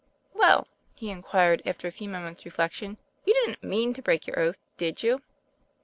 "Well," he inquired, after a few moments' reflec tion, " you didn't mean to break your oath, did you